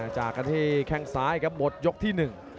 จากกันที่แข้งซ้ายครับหมดยกที่หนึ่ง